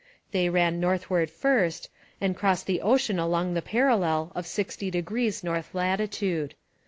They ran northward first, and crossed the ocean along the parallel of sixty degrees north latitude.